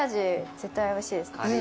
絶対おいしいです。